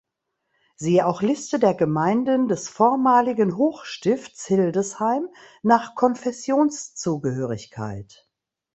Siehe auch Liste der Gemeinden des vormaligen Hochstifts Hildesheim nach Konfessionszugehörigkeit